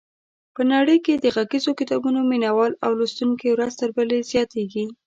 په نړۍ کې د غږیزو کتابونو مینوال او لوستونکي ورځ تر بلې زیاتېږي.